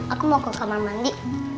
aku mau ke kamar mandi